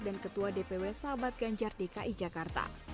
ketua dpw sahabat ganjar dki jakarta